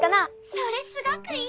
それすごくいい。